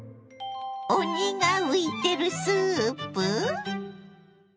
鬼が浮いてるスープ？